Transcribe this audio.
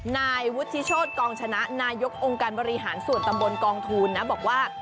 นายวุฒิโชธกองชนะนายกองค์การบริหารส่วนตำบลกองทูลนะบอกว่า